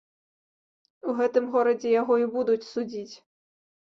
У гэтым горадзе яго і будуць судзіць.